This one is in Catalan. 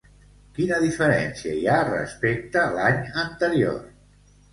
Quina diferència hi ha respecte l'any anterior?